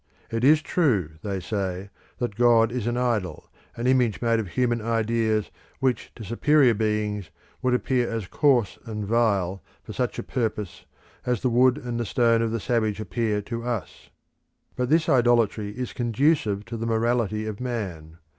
"It is true", they say, "that God is an idol, an image made of human ideas which, to superior beings, would appear as coarse and vile for such a purpose as the wood and the stone of the savage appear to us. But this idolatry is conducive to the morality of man.